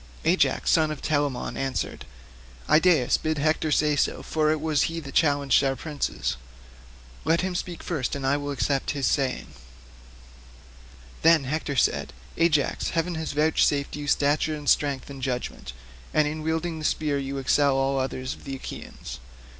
Ajax son of Telamon answered, "Idaeus, bid Hector say so, for it was he that challenged our princes. Let him speak first and I will accept his saying." Then Hector said, "Ajax, heaven has vouchsafed you stature and strength, and judgement; and in wielding the spear you excel all others of the Achaeans.